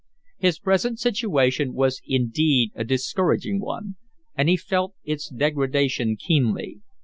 His present situation was indeed a discouraging one, and he felt its degradation keenly.